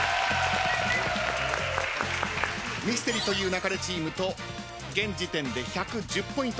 ミステリと言う勿れチームと現時点で１１０ポイント差。